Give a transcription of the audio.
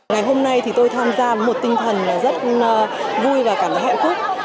ngày hôm nay thì tôi tham gia một tinh thần rất vui và cảm thấy hẹo khúc